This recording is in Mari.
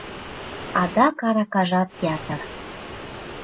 Адак аракажат ятыр.